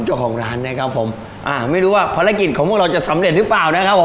เจ้าของร้านนะครับผมอ่าไม่รู้ว่าภารกิจของพวกเราจะสำเร็จหรือเปล่านะครับผม